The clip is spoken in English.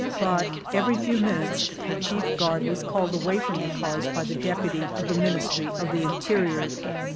But every few minutes the chief guard was called away from the cars by the deputy of the Ministry of the Interior.